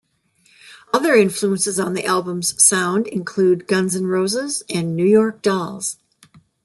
Other influences on the album's sound include Guns N' Roses and New York Dolls.